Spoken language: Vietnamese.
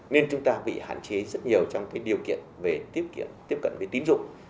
nên chúng ta bị hạn chế rất nhiều trong cái điều kiện về tiếp cận với tín dụng